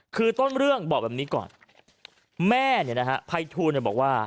คือต้นเรื่องบอกแบบนี้ก่อนแม่เนี่ยนะฮะภัยทูลเนี่ยบอกว่า